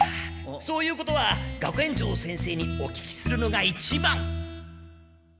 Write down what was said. そういうことは学園長先生にお聞きするのが一番！